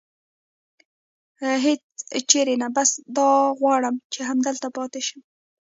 هېڅ چېرې نه، بس دا غواړم چې همدلته پاتې شم.